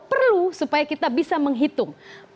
perlu supaya kita bisa menghitung